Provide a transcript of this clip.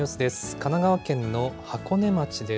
神奈川県の箱根町です。